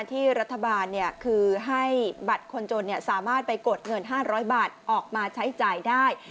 ที่รัฐบาลคือให้บัตรคนจนสามารถไปกดเงิน๕๐๐บาทออกมาใช้จ่ายได้